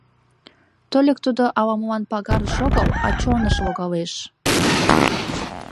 Тольык тудо ала-молан пагарыш огыл, а чоныш логалеш...